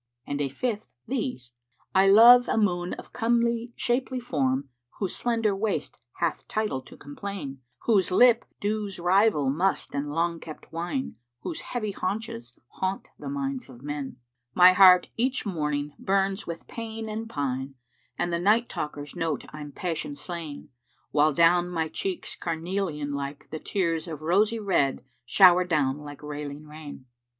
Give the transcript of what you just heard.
And a fifth these,[FN#370] "I love a moon of comely shapely form * Whose slender waist hath title to complain: Whose lip dews rival must and long kept wine; * Whose heavy haunches haunt the minds of men: My heart each morning burns with pain and pine * And the night talkers note I'm passion slain; While down my cheeks carnelian like the tears * Of rosy red shower down like railing rain."